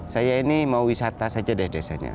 saya ini mau wisata saja deh desanya